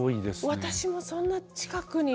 私もそんな近くに。